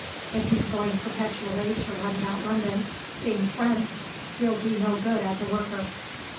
If he's going perpetually to run about London seeing friends, he'll do no good as a worker.